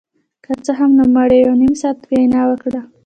که څه هم نوموړي یو نیم ساعت وینا وکړه